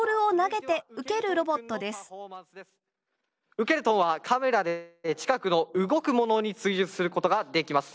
ウケルトンはカメラで近くの動くものに追従することができます。